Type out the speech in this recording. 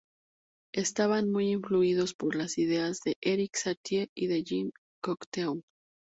Estaban muy influidos por las ideas de Erik Satie y de Jean Cocteau.